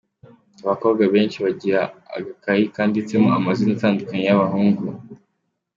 ’Abakobwa benshi bagira agakayi kanditsemo amazina atandukanye y’abahungu.